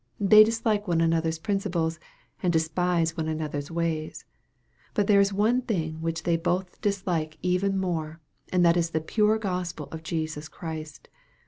They dislike one another's principles, and despise one another's ways. But there is one thing which they both dislike even more, and that is the pure Gospel of Jesus Christ.